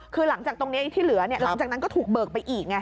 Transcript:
คือหลังจากตรงนี้ที่เหลือหลังจากนั้นก็ถูกเบิกไปอีกไง